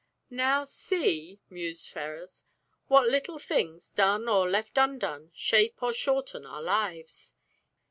"Now see," mused Ferrars, "what little things, done or left undone, shape or shorten our lives!